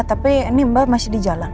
tapi ini mbak masih di jalan